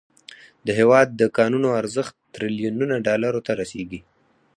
د هیواد د کانونو ارزښت تریلیونونو ډالرو ته رسیږي.